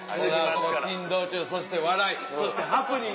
珍道中そして笑いそしてハプニング。